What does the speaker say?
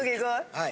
はい。